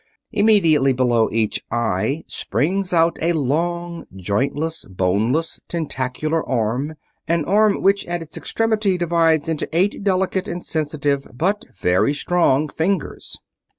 Immediately below each eye springs out a long, jointless, boneless, tentacular arm; an arm which at its extremity divides into eight delicate and sensitive, but very strong, "fingers."